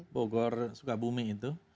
bogor sukabumi itu